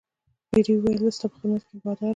پیري وویل زه ستا په خدمت کې یم باداره.